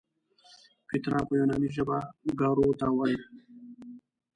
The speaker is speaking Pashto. پیترا په یوناني ژبه ګارو ته وایي.